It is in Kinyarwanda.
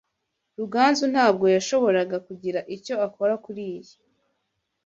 Ruganzu ntabwo yashoboraga kugira icyo akora kuriyi.